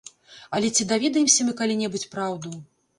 Але ці даведаемся мы калі-небудзь праўду?